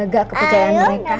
jaga kepercayaan mereka